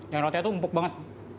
yang rotinya itu empuk banget